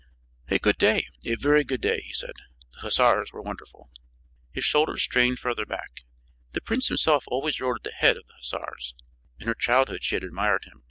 "A good day, a very good day," he said. "The hussars were wonderful." His shoulders strained further back. The prince himself always rode at the head of the hussars; in her childhood she had admired him.